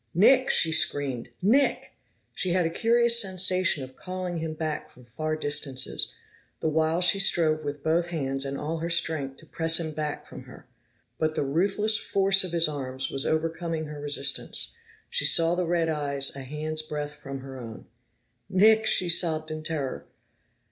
"Nick!" she screamed. "Nick!" She had a curious sensation of calling him back from far distances, the while she strove with both hands and all her strength to press him back from her. But the ruthless force of his arms was overcoming her resistance; she saw the red eyes a hand's breadth from her own. "Nick!" she sobbed in terror.